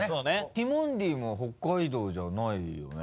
ティモンディも北海道じゃないよね。